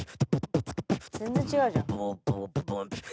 全然違うじゃん。